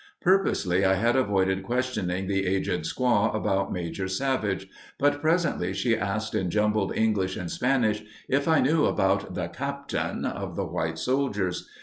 Purposely I had avoided questioning the aged squaw about Major Savage; but presently she asked, in jumbled English and Spanish, if I knew about the "Captain" of the white soldiers.